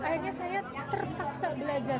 akhirnya saya terpaksa belajar